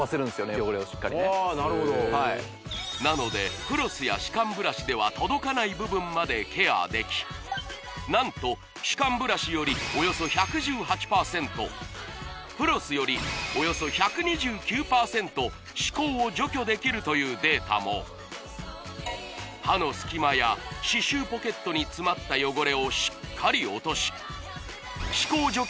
汚れをしっかりねなのでフロスや歯間ブラシでは届かない部分までケアでき何と歯間ブラシよりおよそ１１８％フロスよりおよそ１２９％歯垢を除去できるというデータも歯の隙間や歯周ポケットに詰まった汚れをしっかり落とし何と